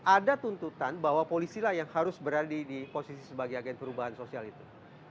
ada tuntutan bahwa polisi lah yang harus berada di posisi sebagai agen perubahan sosial itu